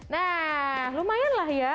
nah lumayan lah ya